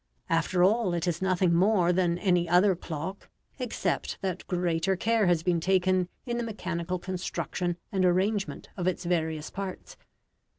After all, it is nothing more than any other clock, except that greater care has been taken in the mechanical construction and arrangement of its various parts.